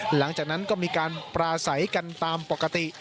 หลังจากนั้นก็มีการปราศัยกันตามปกติ